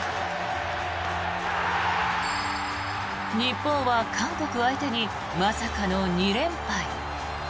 日本は韓国相手にまさかの２連敗。